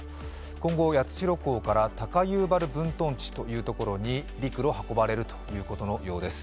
今後八代港から高遊原分屯地というところに陸路、運ばれるということのようです。